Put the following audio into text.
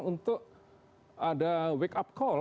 untuk ada wake up call